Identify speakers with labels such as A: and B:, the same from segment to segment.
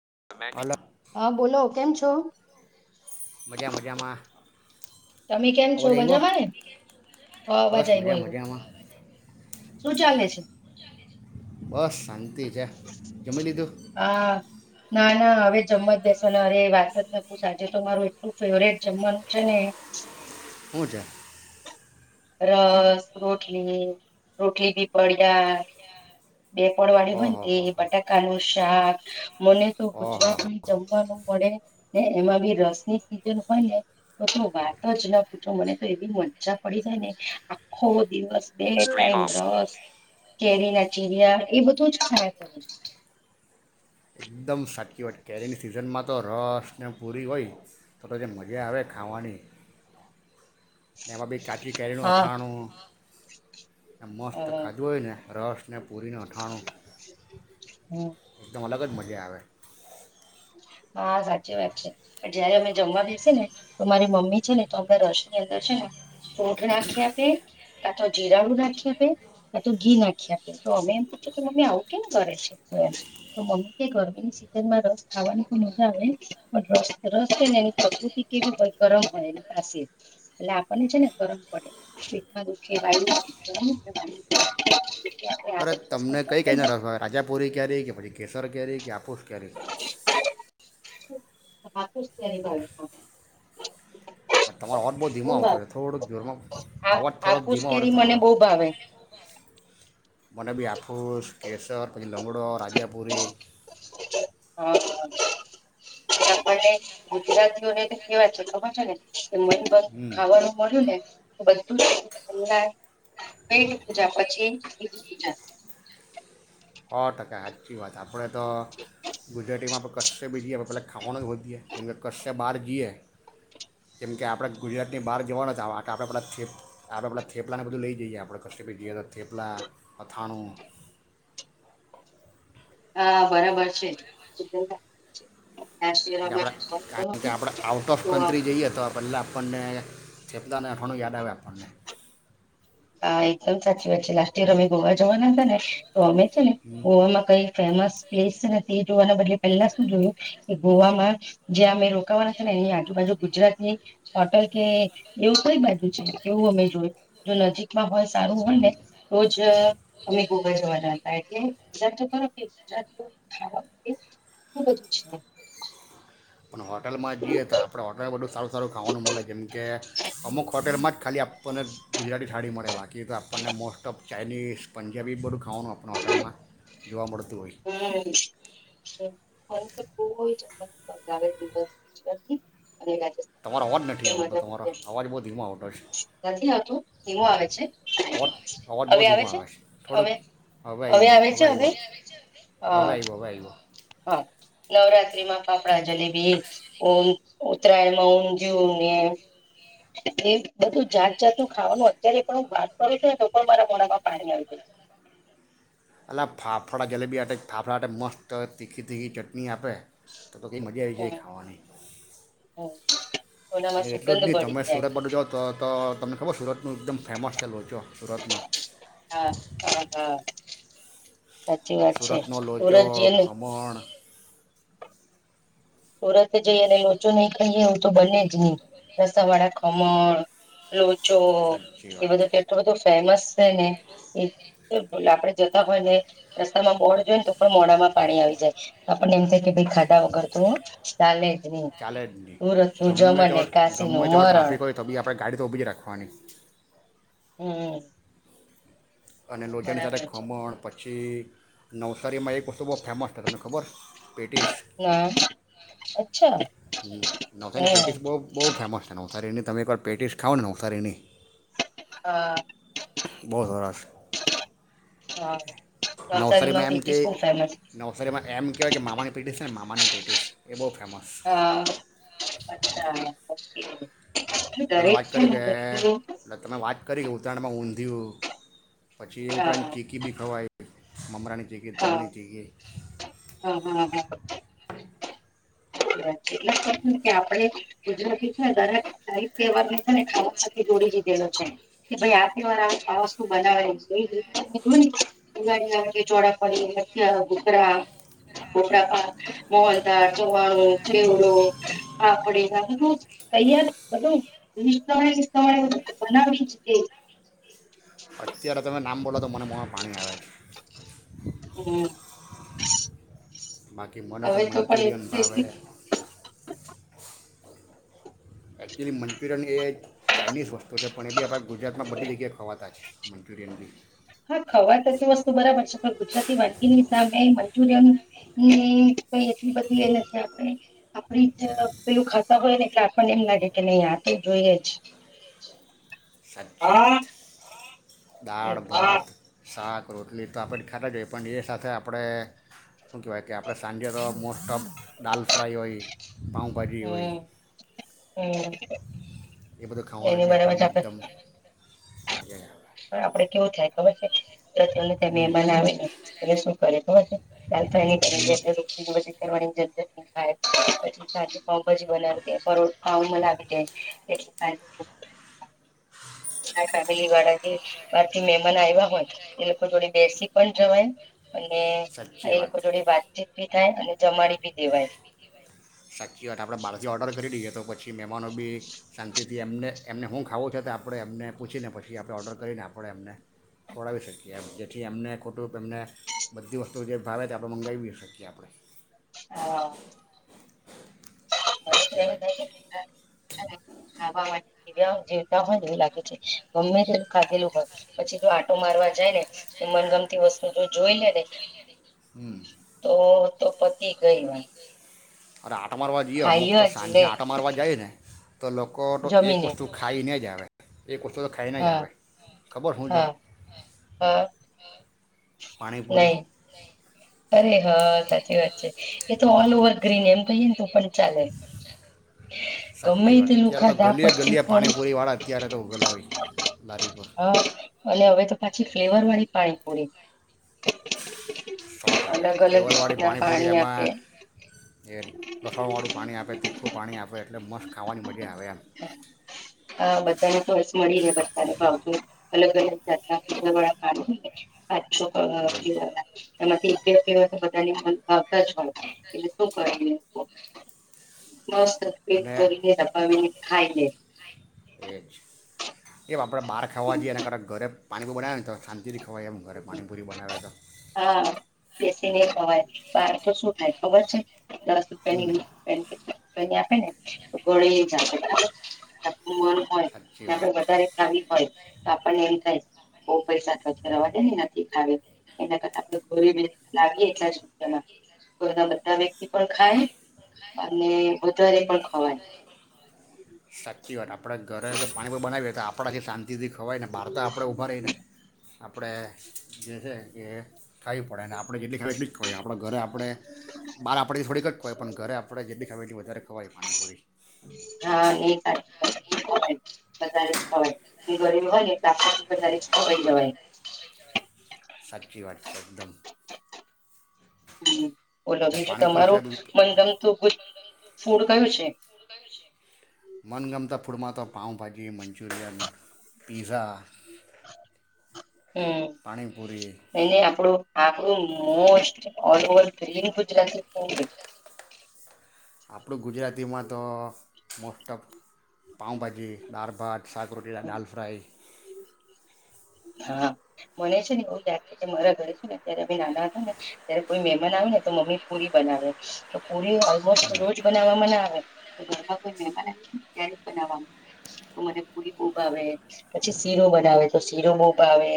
A: [unintelligible]
B: હા બોલો કેમ છો
A: માજા માજામાં
B: તમે કેમ છો બજાવાને હ
A: બસ
B: બજા
A: મજા
B: આવ
A: મજામાં
B: શું ચાલે છે
A: બસ શંતંત હ છેા જમમે લીધું
B: હા ના ના હવે જમવા જ બેસો ને અરે વાત જ ન પૂ આજે તો મારું એટલું ફેવરેટ જમવાનું છે ને
A: પૂછા
B: રસ રોટલી રોટલી ભી પડ્યા બેપોડ વાળી
A: ઓહો હો
B: બનતી
A: હો
B: બટાકા નું શાક મને તો
A: ઓહો
B: ગુજરા
A: હો
B: કોઈ જમવાનો પડે ને એમાં બી રસ ની સિઝન હોય ને તો વાત જ ના પૂછો મને તો એવી મજા પડી જાય ને આખો દિવસ બેલે
A: સ્ક્રીન
B: ટાઈમ
A: ઓફ
B: રસ કેરી નથી રિયા એ બધું જ થાયે
A: એકદમ સાટકી વાટ કેરીની સિઝનમાં તો રસને પૂરી હોય તો તો જે મજા આવે ખાવાની એમાં બી કાચી કેરનું
B: હા
A: અઠાણું એ મસ્ત
B: હા
A: ખાજોયને રાષ્ટ્ર અને પૂરીનો અઠાણો
B: હમ
A: એકદમ અલગ જ મજા આવે
B: હા સાચી વાત છે પણ જયારે અમે જમવા બેસી ને તો મારી મમ્મી છે ને તો અમને રસ ની અંદર છે ને ફૂટ નાખી આપે કા તો જીરાણું નાખી આપે કા તો ઘી નાખી આપે તો અમે એમ પૂછ કે મમ્મી આવું કેને કરે છે એમ તો મમ્મી કે ગરમીની સિઝનમાં રસ ખાવાની તો મજા આવે પણ ર રસ છે ને એ પ્રકૃતિ કેવી હોય ગરમ હોય એ પાાસીર એટલે આપણને છે ને ગરમ પડે શમાં દુખે આપણે
A: અરે
B: આગળની વસ્તુ
A: તમને કઈ
B: નાખીએ ને
A: કઈને રાજાપુરી ક્યારે કે પછી કેસર ક્યારેરી કે આપોસ કે્યારે
B: તું જ તેની કાર
A: અ ત તમારો અવાજ બહુ ધીમાો આવતો હોય છે થોડોક જોરમાં અવાજ થોડોક
B: હાફુસ
A: ધીમા આવડ
B: કેરી
A: છે
B: મને
A: તમારો
B: બહુ ભાવે
A: મને બી હાફુસ કેસર પં લુંંગડો રાજિયાપુરી
B: હ આપણને ગુજરાતીઓને તો કેવા છે ખબર છે ને કે મન મન
A: હમ
B: ખાવાનું મળ્યું ને બધુંલા બેઠ પૂજા પછી બજી પૂજા
A: હો ટ ક અચછી વાત આપ આપણે તો ગુજરાતીમાં પણ કશશે બીજી પેલા ખાવાનું જ હોઠયે કેમ કે બહાર ગી ઈએ જેમ કે આપણે ગુજરાતની બહાર જવાના આપણે પલા થ આપણ પેલા થેપલાને બધું લઈ જઈએ આપણે કશે બી જઈએ તો થેપલા અથાણું
B: હા બરાબર છે
A: આપડે કારણ કે આપડે આઉટ ઓફ
B: તો
A: કન્ટ્રી જઈએ તો પહેલા આપણને [unintelligible] યાદ આવે આપણને
B: હા એકદમ સાચી વાત છે લાસસ્ટ યર અમે ગોવા જવાના હતા ને તો અમે છે ને
A: હમ
B: ગોવામાં કઈ ફેમસ પ્લેસ નથી જોવાના બદલે પહેલા શું જોયું કે ગોવામાં જ્યાં અમે રો રોકાવાના છે ને એની આજુબજુ ગુજરાત ને હોટલ કે એવું કઈ બાજુ છે એવું અમે જોય જો નજીક મ ભોઈમાં સારું હો ને તો જ અમે ગોવા જવાના હતા એટલે ગુજરાતી તો [unintelligible] ગુજરાતીઓ ખાવાનું કેટલું બધું છે
A: પણ હોટલમાં જઈએ તો આપણા હોટલમાં બધું સારું સારું ખાવાનું મળે જેમ કે અમુક હોટલમાં જ ખાલી આપણને ગુજરાતી થાળી મળે બાકી તો આપણને મોસ્ટ ઓફ ચાઇનીઝ પંજાબી બધું ખાવાનું આપણ હોટલમાં જોવા મળતું હોય
B: હમ્મ [inaudible] [unintelligible] દિવસ
A: તમારો અવાજ નથી આવતો તમારો અવાજ બહુ ધીમો આવતો છે
B: નથી આવતું ધીમુ આવે છે
A: અવાજ અવાજ બહુ
B: હવે આવે
A: ધીમો
B: છે
A: થોડુંક
B: હવે હવે આવે છે હવે હા
A: હવે આવ્યો હવે આવ્યો
B: હા નવરાત્રી માં ફાપડા જલેબી [unintelligible] ઉત્તરાયણમાં ઊંધયું ને એ બધું જાત જાતનું ખાવાનું અત્યારે પણ હું વાત કરું છું ને તો પણ મારા મોડામાં પાણી આવી જાય છે
A: અલા ફાફડા જલેબી હાતે ફાફડા હાતે મસ્ત તીખી તીખી ચટણી આપ આપે તો તો કેવી મજા આવી જાય ખાવાની
B: હા
A: અને એટલું જ નહીં તમે સુરત બાજુ જાઓ તો તો તમને ખબર સુરતનું એકદમ ફેમસ લોચો સુરતનો
B: હા હા હા સાચી વાત છે
A: સુરતનો લોચો
B: સુરત જેનું
A: ખમણ
B: સુરત જઈ અને લોચો નહી ખાઈએ એવું તો બને જ નહી રસા વાળા ખમણ પે જો
A: સાચી
B: એ
A: વાત
B: બધુંટલું બધું ફેમસ શે ને એ બોલો આપડે જોતા હોઈ ને રસ્તામાં બોર્ડ જોઈનને તો પણ મોધા માં પાણી આવી જાય આપણને એમ થાય કે ભાઈ ખાધા વગર તો [unintelligible]
A: ચાલે જ નહીં.
B: સુરત નું
A: ગમે તેવો
B: જમને કાશી
A: ગમે
B: નું
A: તેવો
B: મરણ
A: ટ્રાફિક હોય તો બી આપણે ગાડી તો ઊભી જ રાખવાની.
B: હમ્મ.
A: અને લોચાની સાથે ખમણ પછી પછી નવસારીમાં એક વસ્તુ બહુ ફેમસ છે. તમને ખબર? પેટીસ
B: ના અચ્છા.
A: [unintelligible] બહું બહું
B: હમ
A: [unintelligible] [unintelligible] તમે એકવાર પેટીસ ખાવ ને
B: હા
A: [unintelligible] બહુત સરસ.
B: હા.
A: નવસારીમાં એમ કે,
B: પેટીસ બહુ ફેમસ
A: નવસારીમાં એમ કેવાય કે માામાને પેટીસ હે મામાની પેટીસ એ બહુ ફેમસ
B: હા અચ્છા [unintelligible] [inaudible]
A: તમે
B: દરેક
A: વાત
B: છે
A: કરી કે
B: ને [unintelligible]
A: એટલે તમે વાત કરી કે ઉત્તરાયણમાં ઊંધિયું પછી એ ઉપરાંત
B: હા
A: ચીકી બી ખવાય. મમરાની ચીકી, તલની ચીકી
B: હમ્મ-હમ્મ-હમ્મ. [inaudible] આપણે ગુજરાતીને દરેક [inaudible] તહેવાર છે ને ખાવા સાથે જોડી દીધેલો છે, કે ભાઈ આ તહેવાર આ આ વસ્તુ બનાવે. એ જ રીતના [unintelligible] ચોરાફળી, મઠિયા, ઘુઘરા, ટોપરાપાક [unintelligible] [unintelligible] ચેવડો, ફાફડી ગાઠીયાં [inaudible] [inaudible]
A: અત્યારે તમે નામ બોલો તો મને મોમાં પાણી આવે છે.
B: હમ્મ.
A: બાકી મને તો મંચુરિયન ભાવે એક્ચ્યુઅલી મંચુરિયન એ એક ચાઇનીઝ વસ્તુ છે પણ એ બી આપણા ગુજરાતમાં બધી જગ્યાએ ખવાતા છે. મંચુરિયન બી.
B: હા ખવાય તો જે [unintelligible] ગુજરાતી વાનગીની સામે મંચુરિયન ની કઈ એટલી બધી એ નથી આપણે, આપડી જે પેલું ખાતા હોય ને એટલે આપણને એમ લાગે કે નહી આ તો જોઈએ જ.
A: સાચી વાત. દાળ,
B: એવું છે
A: ભાત, શાક રોટલી તો આપણે ખાતા જ હોય પણ એ સાથે આપણે શું કહેવાય કે આપણે સાંજે તો મોસ્ટ ઓફ દાલ ફ્રાય હોય. પાંઉભાજી હોય.
B: હમ હમ
A: એ બધું ખાવાનું
B: એની
A: બી
B: બરાબર છે
A: આપણને
B: આપડે
A: એકદમ [unintelligible]
B: પણ આપડે કેવું થાય ખબર છે તને ત્યાં
A: હમ
B: મહેમાન આવે ને એ શું કરે ખબર છે્યા થાય
A: હમ
B: રો વધ કરવાની જરૂર પછ સાજઉભાજી બનાવી દે પર લવી દેટ ફેમિલી વાળા જે બારથી મહેમાન આવ્યા હોય એ લોકો જોડે બેસી પણ જવાય અને
A: સાચી
B: એ
A: વાત
B: લોકો જોડે વાતચીત ભી થાય અને જમાડી ભી દેવાય
A: સાચીત આપણે બાળજી ઓર્ડર કરી દઈએ તો પછી મહેમાનો બી શાંતિથી એમને એમને શું ખાવું છ તો આપણે એમને પૂછીને પછી પ આપણે ઓર્ડર કરીને આપડે એમને ખોડાવી શકીએ જેથી એમને ખોટું એમને બધીત તો જે ભાવે તે આપણે મંગાવી શકીએ આપણે
B: હા [inaudible]
A: સાચી વાત છે
B: ખાવા માટે [unintelligible] બે્યા જે [unintelligible] હોય એવું લાગે છે ગમ્મે ત ખાધેલું હોય પછી જો આટો મારવા જાય ને મનગમતી વસ્તુ જો જોઈ લે ને
A: હમ
B: તો તો પતિ ગઈ વાર
A: અરે આટો મારવા જઈએ અમુક તો સાંજે
B: લે
A: આટો મારવા જાઇને ને તો લોકો તો એક
B: જમીને
A: વસ્તુ ખાઈ ને જ આવે હ [inaudible] એક વસ્તુ તો ખાઈને જ
B: હા
A: આવે ખબર શું છે
B: હા હા
A: પાણીપૂરી
B: નહી અરે હા સાચી વાત છે એ તો ઓલ ઓવર ગ્રીન એમ કહીને તો પણ ચાલે ગમે
A: સાચી
B: તે
A: વાત અત્યારે તો
B: લુખાધા
A: ગલીએ
B: પી
A: ગલીએ
B: પણ
A: પાણીપુરીવાળા અત્યારે તો ઉભેલા હોય લારી પર
B: હ અને હવે તો ફલેવર વાળી પાણી પૂરી
A: સો ટકા
B: અલગ અલગ
A: ફ્લેવરવાળી
B: જાતના
A: પાણીપુરી
B: આપે
A: એમાં એ લસણવાળું પાણી આપે તીખું પાણી આપે એટલે મસ્ત ખાવાની મજા આવે એમ
B: હ બધાને ચોઈસ મળીરે બધાને ભાવ તુ અલગ અલગ જાતના ફ્લેવર વાળા પાણી હોય ને પાચ છો પવા
A: એ જ.
B: પીવાના એમાંથી થી કેવા કેવા તો બધાની [unintelligible] જ હોય એટલે શું કરે લોકો પેટ
A: અને
B: ભરીને દબાવીને ખાઈલે
A: એજ એવા આપણે બહાર ખાવા જઈએ એ એના કરતાં ઘરે પાણીપુરી બનાવે તો‌ શાતી થી ખવાય તોય એમ ઘરે પાણીપુરી બનાવે તો
B: તે ખવાય બાર તો શું થાય ખબર છે દસ રૂપિયા ની
A: હમ
B: વીસ રૂપિયા ને રૂપિયા ની આપે ને તો ગનેલી જ આપે [inaudible] ઉમર હોય
A: સાચી વાત
B: ત્યાં વધારે આવી હોય તો આપણને એમ થાય બઉ પૈસા ખચ કરાવાય નથી ખાવી એના કરતા આપણુ કોઈ દીસ લાવીએ એટલાજ કો [unintelligible] ધર ના વ્યક્તિ પણ ખાય અને વધારે પણ ખવાય
A: સાચી વાત આપણે ઘરે તો પાણીપુરી બનાવીએ તો આપણાથી શાંતિથી ખવાય ને બહાર તો આપણે ઊભા રહીને આપણે જે છે એ ખાઈ પડે ને આપણે જેટલી ખાઈ એટલી ખવાય આપણે ઘરે આપણે બહાર આપણેથી થોડીક જ ખવાય પણ ઘરે આપણે જેટલી ખાઈ એટલી વધારે ખવાય પાણી પોરી
B: [unintelligible] હોય વધારે ખવાય જ ગડીયુ હોય ને વધારે ખવાય જવાય
A: સાચી વાત એકદમ અચ્છા
B: ઓલોયું છે
A: પાણીપુરી
B: તમારું
A: સિવાય બીજું
B: મન કરે ફૂડ કયું છે
A: મનગમતા ફૂડમાં તો પાાવભાજી મંચ્યુરિયન પિઝા
B: હમ
A: પાણીપુરી
B: એને આપણું આપણું most all all [unintelligible] Gujarati food કયુ
A: આપણું ગુજરાતીમાં તો most of pav bhaji દારભાત saag roti dal fry
B: હા મને છે ને એવું લાગશે કે મારા ઘરે છે ને ત્યારે નાના હતા ને ત્યારે કોઈ મેમાન આવે ને તો મમ્મી પુરી બનાવે પુડીઓ ઓલમોસ્ટ રોજ બનાવવા ના ઘરમાં કોઈ મેમાનને ત્યારે બનાવામાં તો મને પુરી ખૂબ ભાવે પછી શીરો બનાવે તો શીરો બો ભાવે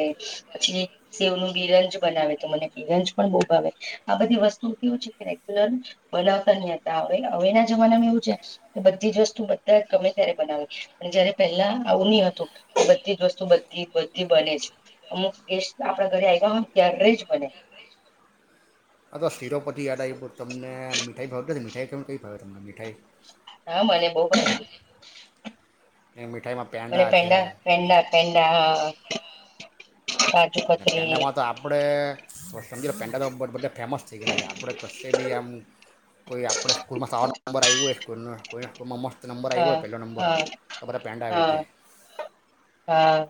B: પછી સેવ નું બિરંજ બનાવે તો મને બિરંજ પણ બો ભાવે આ બધી વસ્તુ કેવું છે કે રેગ્યુલર બનાવતા નહી હતા હવે હવેના જમાનામાં એવું છે કે બધી જ વસ્તુ બધા ગમે ત્યારે બનાવી પણ જયારે પહેલા આવની હતું બધી જ વસ્તુ બધી બધી બને છે અમુક ગેસ આપણા ઘરે આવ્યા હોય ત્યારે જ બને
A: અ તો સિરોપતિ યાદ આયુ તમને મીઠાઈ ભાવ મીઠાઈ તમને કઈ ભાવે છે મઠાઈ
B: હા મને બહ
A: એમ
B: મ પેડા પેડા પેડા હા કાજુ કતરી
A: એનામાં તો આપડે બ સમજી લો પેંડા તો બધા ફેમસ થઈ ગયાલા છે આપણે કશશે બી આમ કોઈ આપણે સ્કૂલમાં સાવા નંબર આવ્યું હોય સ્કૂલનું તોમાં મસ્ત નંબર આવ્યો હોય
B: હા
A: પહેલો નંબર
B: હા
A: તો બધા પેંડા
B: હા
A: વેચે
B: હા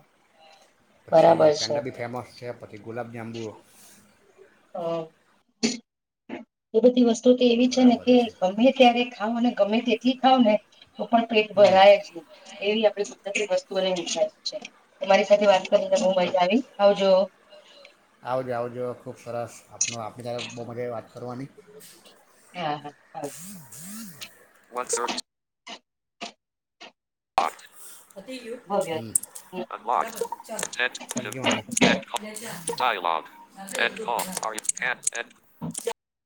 A: પછી
B: બરાબર છે
A: પેંડા ભી ફેમસ છે તે ગુલાબજંબુ
B: હમ એ બધી વસ્ત વુ તો એવી છે ને કે ગમે ત્યારે ખાવ ગમે તેટલી ખાવ ને તો પણ પેટ
A: હમ
B: ભરાય જ ની એવી [unintelligible] વસ્તુ [inaudible] તમારી સાથે વાત કરીને બો મજા આવી આવજો
A: આવજો આવજો ખૂબ સરસ આપનો આપની સાથે બો મજા વાત કરવાની
B: હા હા હ
A: [unintelligible]
B: ભવ્ય.
A: [inaudible] [unintelligible]